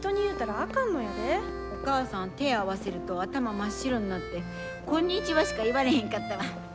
お母さん手合わせると頭真っ白になって「こんにちは」しか言われへんかったわ！